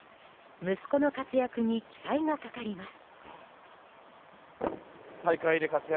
息子の活躍に期待がかかります。